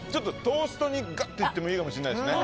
トーストにガッていっていいのかもしれないですね。